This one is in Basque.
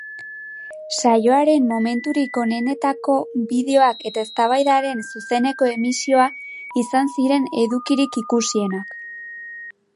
Saioaren momenturik onenetako bideoak eta eztabaidaren zuzeneko emisioa izan ziren edukirik ikusienak.